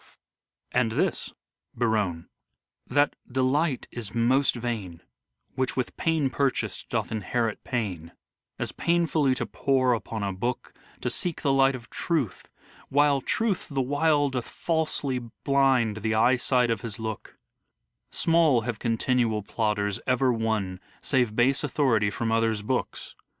16 342 " SHAKESPEARE " IDENTIFIED And this : Berowne :" That (delight is) most vain Which with pain purchased doth inherit pain : As painfully to pore upon a book, To seek the light of truth ; while truth the while Doth falsely blind the eyesight of his look : Small have continual plodders ever won Save base authority from others' books.